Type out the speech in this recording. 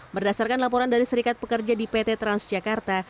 berdasarkan laporan dari serikat pekerja di pt transjakarta